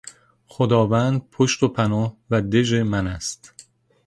خداوند پشت و پناه و دژ من است.